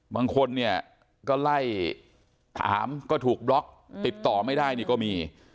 บางคนเนี่ยก็ไล่ถามก็ถูกบล็อกติดต่อไม่ได้นี่ก็มี